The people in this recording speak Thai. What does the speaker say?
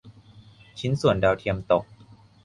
ชิ้นส่วนดาวเทียมตก